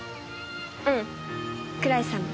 うん。